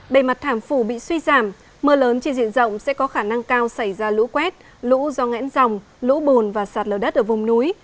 bề mặt thảm phủ bị suy giảm mưa lớn trên diện rộng sẽ có khả năng cao xảy ra lũ quét lũ do ngẽn dòng lũ bùn và sạt lở đất ở vùng núi